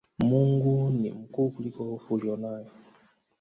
Mungu ni mkuu kuliko hofu uliyonayo